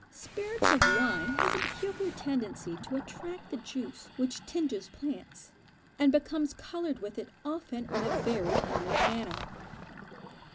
Spirits of wine has a peculiar tendency to attract the juice which tinges plants, and becomes coloured with it often in a very permanent manner.